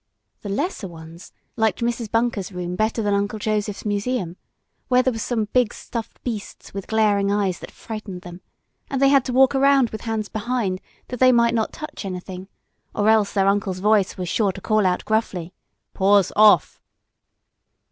The lesser ones liked Mrs. Bunker's room better than Uncle Joseph's museum, where there were some big stuffed beasts with glaring eyes that frightened them, and they had to walk round with hands behind, that they might not touch anything, or else their uncle's voice was sure to call out gruffly, "Paws off!"